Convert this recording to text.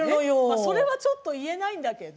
それはちょっと言えないんだけど。